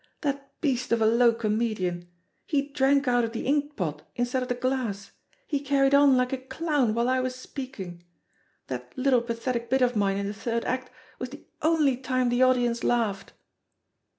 That beast of a low comedian — ^he drank out of the inkpot instead of the glass, he carried on like a down while I was speaking 1 That little pathetic bit of mine in the third act was the only time the audience laughed.'